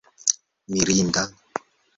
mirinda